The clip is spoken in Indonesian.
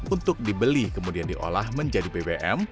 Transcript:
untuk dibeli kemudian diolah menjadi bbm